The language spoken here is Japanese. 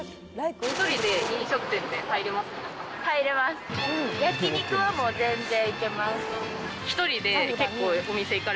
１人で飲食店って入れますか？